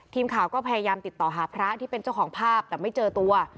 ทีมข่าวก็พยายามติดต่อหาพระที่เป็นเจ้าของภาพแต่ไม่เจอตัว